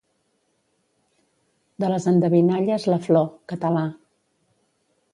De les endevinalles la Flor.Català.